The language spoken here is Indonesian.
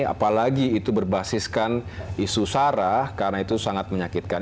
apalagi itu berbasiskan isu sarah karena itu sangat menyakitkan